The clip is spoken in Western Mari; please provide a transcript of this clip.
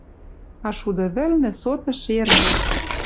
А шуды вӹлнӹ соты шержӹ